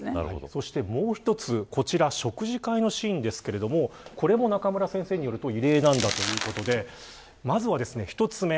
そしてもう１つこちら、食事会のシーンですがこれも中村先生によると異例だということでまずは１つ目